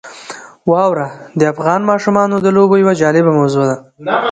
واوره د افغان ماشومانو د لوبو یوه جالبه موضوع ده.